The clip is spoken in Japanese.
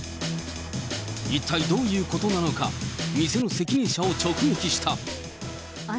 一体どういうことなのか、店の責任者を直撃した。